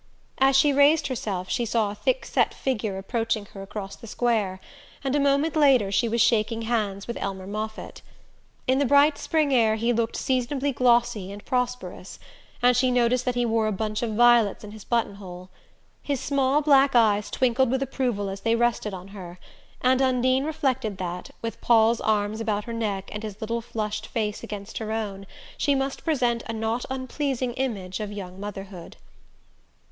As she raised herself she saw a thick set figure approaching her across the square; and a moment later she was shaking hands with Elmer Moffatt. In the bright spring air he looked seasonably glossy and prosperous; and she noticed that he wore a bunch of violets in his buttonhole. His small black eyes twinkled with approval as they rested on her, and Undine reflected that, with Paul's arms about her neck, and his little flushed face against her own, she must present a not unpleasing image of young motherhood.